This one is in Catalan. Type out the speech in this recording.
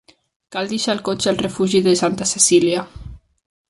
Cal deixar el cotxe al refugi de Santa Cecília.